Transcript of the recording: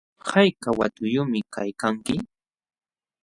¿Hayka watayuqmi kaykanki?